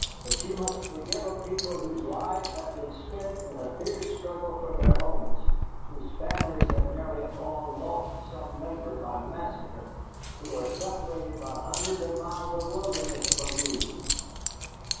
But you must forgive a people whose lives have been spent in a fierce struggle for their homes, whose families have nearly all lost some member by massacre, who are separated by hundreds of miles of wilderness from you."